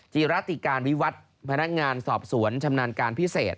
จีรติการวิวัตรพนักงานสอบสวนชำนาญการพิเศษ